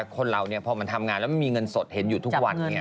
คนเราพอมันทำงานแล้วมันมีเงินสดเห็นอยู่ทุกวัน